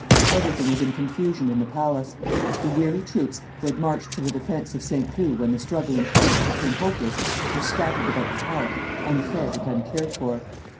Everything was in confusion in the palace. The weary troops, who had marched to the defence of Saint Cloud when the struggle in Paris became hopeless, were scattered about the park unfed and uncared for.